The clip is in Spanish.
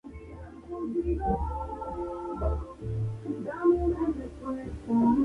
Su ejecución fue dividida en cuatro tramos, Oeste, Sur, Este y Norte.